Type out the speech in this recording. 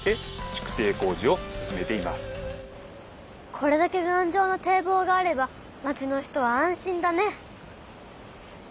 これだけがんじょうな堤防があれば町の人は安心だね！